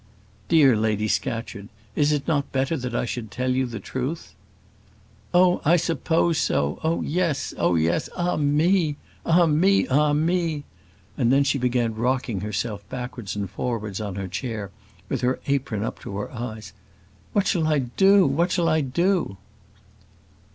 "Dear Lady Scatcherd, is it not better that I should tell you the truth?" "Oh, I suppose so; oh yes, oh yes; ah me! ah me! ah me!" And then she began rocking herself backwards and forwards on her chair, with her apron up to her eyes. "What shall I do? what shall I do?"